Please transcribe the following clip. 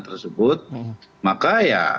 tersebut maka ya